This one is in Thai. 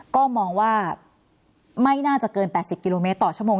ก็มองว่าไม่น่าจะเกิน๘๐กิโลเมตรต่อชั่วโมง